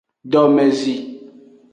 Domezi.